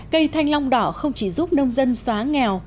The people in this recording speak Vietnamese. cây thanh long đỏ không chỉ giúp nông dân xóa nghèo